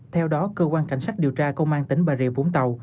theo đó cơ quan cảnh sát điều tra công an tỉnh bà rịa vũng tàu